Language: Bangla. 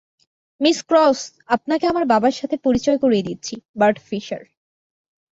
মিস ক্রস, আপনাকে আমার বাবার সাথে পরিচয় করিয়ে দিচ্ছি, বার্ট ফিশার।